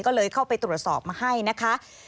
ก็เลยเข้าไปตรวจสอบมาให้นะคะ